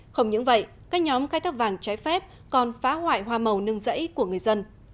không những vậy các nhóm khai thác vàng trái phép còn phá hoại hoa màu nương rẫy của người dân